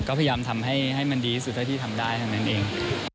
ก็พยายามทำให้มันดีที่สุดเท่าที่ทำได้เท่านั้นเอง